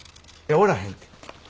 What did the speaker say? おらへんて。